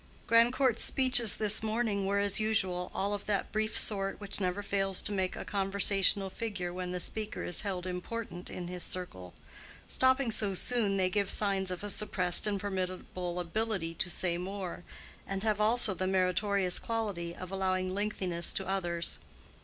Grandcourt's speeches this morning were, as usual, all of that brief sort which never fails to make a conversational figure when the speaker is held important in his circle. Stopping so soon, they give signs of a suppressed and formidable ability so say more, and have also the meritorious quality of allowing lengthiness to others.